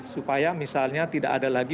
supaya misalnya tidak ada lagi